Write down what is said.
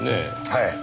はい。